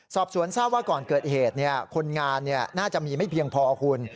สอบสวนทราบว่าก่อนเกิดเหตุคนงานน่าจะมีไม่เพียงพอคุณ